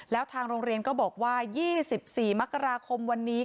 แล้วทางโรงเรียนก็บอกว่า๒๔มกราคมวันนี้